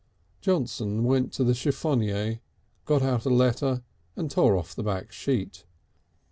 Johnson went to the chiffonier, got out a letter and tore off the back sheet.